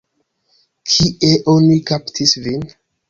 Kie oni kaptis vin?